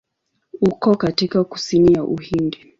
Uko katika kusini ya Uhindi.